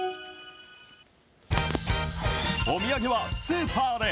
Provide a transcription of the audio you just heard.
お土産はスーパーで！